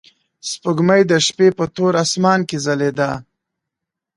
سپوږمۍ د شپې په تور اسمان کې ځلېده.